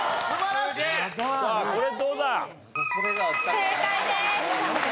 正解です。